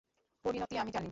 পরিণতি আমি জানি।